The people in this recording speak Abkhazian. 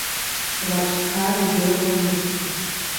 Раԥсҭан идыруан урҭқәа.